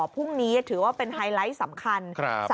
พรุ่งนี้ถือว่าเป็นไฮไลท์สำคัญ